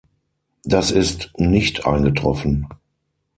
Das ist nicht eingetroffen.